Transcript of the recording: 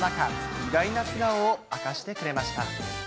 意外な素顔を明かしてくれました。